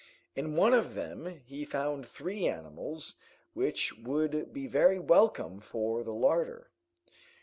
In one of them he found three animals which would be very welcome for the larder.